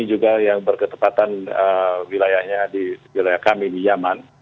ini juga yang berketepatan wilayahnya di wilayah kami di yaman